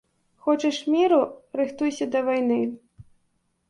Хочаш міру, рыхтуйся да вайны.